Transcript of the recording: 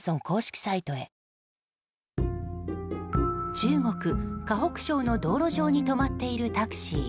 中国・河北省の道路上に止まっているタクシー。